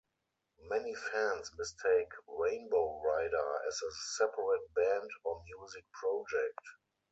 Many fans mistake "Rainbow Rider" as a separate band or music project.